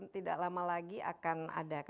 tidak lama lagi akan ada